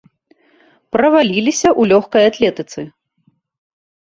Праваліліся ў лёгкай атлетыцы.